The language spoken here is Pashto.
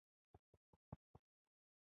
لانکسټریان بریالي شول.